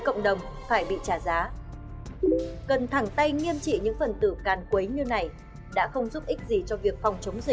cảm ơn quý vị và các bạn đã theo dõi